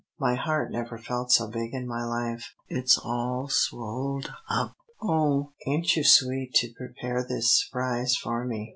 My heart never felt so big in my life. It's all swolled up. Oh, ain't you sweet to prepare this s'prise for me.